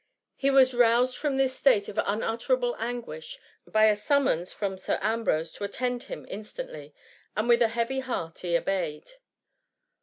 He was roused from this state' of un utterable anguish, by a summons from Sir Am brose to attend him instantly, and with a heavy heart he obeyed.